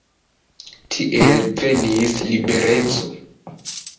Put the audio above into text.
Tiel venis libereco.